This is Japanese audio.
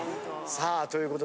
さあということでね